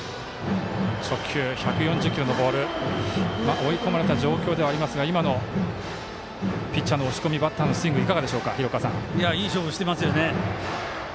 追い込まれた状況ではありますが今のピッチャーの押し込みバッターのスイングいい勝負していますね。